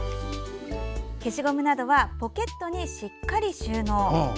消しゴムなどはポケットにしっかり収納。